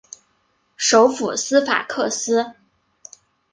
首府斯法克斯。